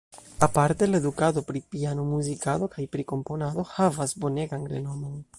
Aparte la edukado pri piano-muzikado kaj pri komponado havas bonegan renomon.